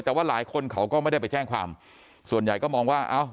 แต่ว่าหลายคนเขาก็ไม่ได้ไปแจ้งความส่วนใหญ่ก็มองว่าเอ้า